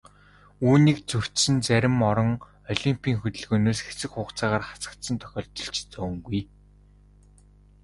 Үүнийг зөрчсөн зарим орон олимпын хөдөлгөөнөөс хэсэг хугацаагаар хасагдсан тохиолдол ч цөөнгүй.